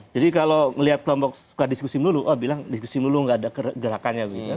jadi kalau melihat kelompok suka diskusi melulu oh bilang diskusi melulu enggak ada gerakannya